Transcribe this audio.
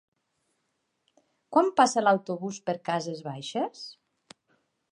Quan passa l'autobús per Cases Baixes?